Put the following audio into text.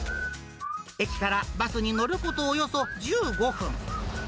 駅からバスに乗ることおよそ１５分。